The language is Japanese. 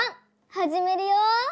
はじめるよ。